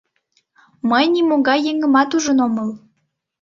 — Мый нимогай еҥымат ужын омыл.